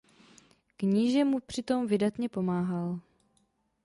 Kníže mu při tom vydatně pomáhal.